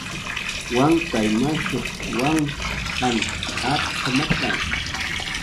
Wankay mashuq wank t'ant apqamata